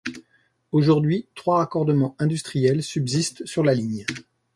Aujourd'hui, trois raccordements industriels subsistent sur la ligne.